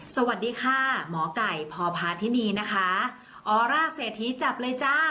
สวัสดีค่ะหมอไก่พพาธินีนะคะออร่าเศรษฐีจับเลยจ้า